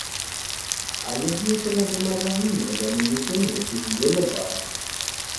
Ayahnya telah memarahinya dan memukulnya sehingga lebam